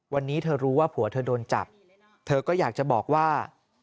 วันนี้เธอรู้ว่าผัวเธอโดนจับเธอก็อยากจะบอกว่า